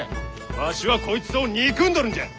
わしはこいつを憎んどるんじゃ！